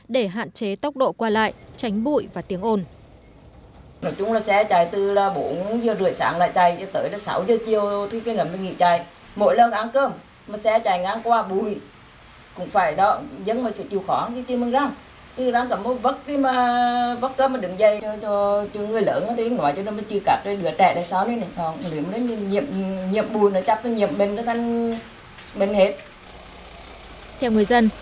để hạn chế tốc độ qua lại tránh bụi và tiếng ồn